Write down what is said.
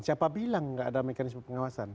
siapa bilang nggak ada mekanisme pengawasan